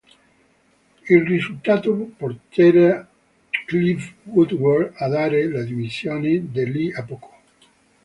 Il risultato porterà Clive Woodward a dare le dimissioni di lì a poco.